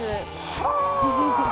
◆はあ。